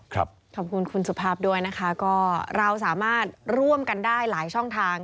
ขอบคุณคุณสุภาพด้วยนะคะก็เราสามารถร่วมกันได้หลายช่องทาง